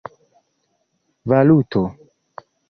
valuto